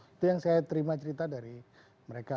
itu yang saya terima cerita dari mereka